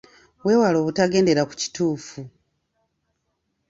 Weewale obutagendera ku kituufu.